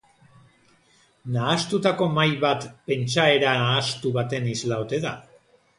Nahastutako mahai bat pentsaera nahastu baten isla ote da?